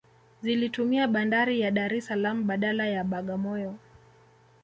Zilitumia bandari ya Dar es Salaam badala ya Bagamoyo